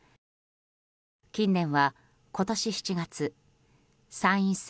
近年は今年７月参院選